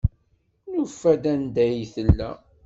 Nufa-d anda ay tella.